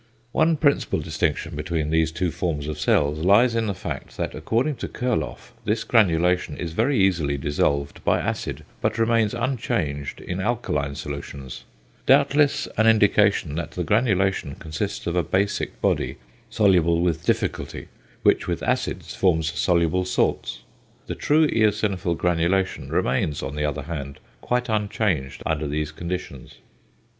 One principal distinction between these two forms of cells lies in the fact that, according to Kurloff, this granulation is very easily dissolved by acid, but remains unchanged in alkaline solutions; doubtless an indication that the granulation consists of a basic body soluble with difficulty, which with acids forms soluble salts. The true eosinophil granulation remains, on the other hand, quite unchanged under these conditions.